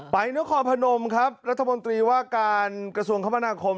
นครพนมครับรัฐมนตรีว่าการกระทรวงคมนาคม